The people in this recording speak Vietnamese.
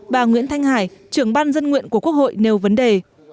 bà nguyễn thanh hải trưởng ban dân nguyện của quốc hội nêu vấn đề